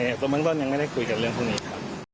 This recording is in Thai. แค่ซะมึงพรุ่งตอนนี้ไม่ได้คุยกับเรื่องพรุ่งนี้ค่ะ